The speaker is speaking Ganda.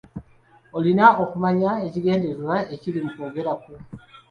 Olina okumanya ekigendererwa ekiri mu kwogera kwo.